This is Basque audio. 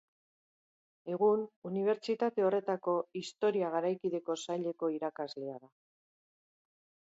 Egun, unibertsitate horretako Historia Garaikideko Saileko irakaslea da.